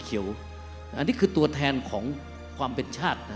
อันนี้คือตัวแทนของความเป็นชาตินะ